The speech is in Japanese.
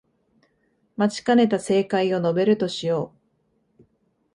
待ちかねた正解を述べるとしよう